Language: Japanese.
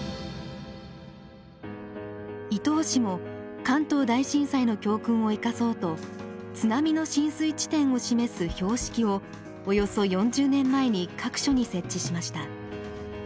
伊東市も関東大震災の教訓を生かそうと津波の浸水地点を示す標識をおよそ４０年前に各所に設置しました。